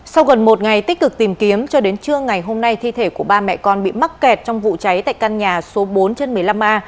sau gần một ngày tích cực tìm kiếm cho đến trưa ngày hôm nay thi thể của ba mẹ con bị mắc kẹt trong vụ cháy tại căn nhà số bốn trên một mươi năm a